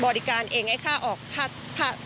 บริการเองให้ค่าออกค่าผ่านทาง